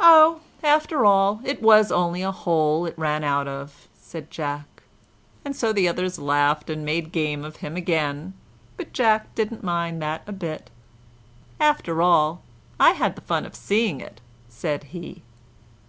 "Oh, after all, it was only a hole it ran out of," said Jack; and so the others laughed and made game of him again, but Jack didn't mind that a bit. "After all, I had the fun of seeing it," said he.